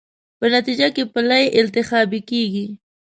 په نتېجه کې پلې التهابي کېږي.